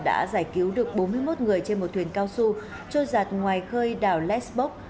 đã giải cứu được bốn mươi một người trên một thuyền cao su trôi giặt ngoài khơi đảo lesbok